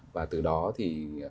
và từ đó thì